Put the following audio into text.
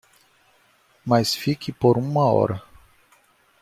Mas fique por uma hora